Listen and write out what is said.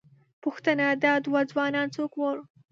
_پوښتنه، دا دوه ځوانان څوک ول؟